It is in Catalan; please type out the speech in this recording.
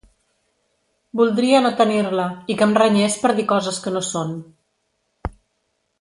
Voldria no tenir-la i que em renyés per dir coses que no són.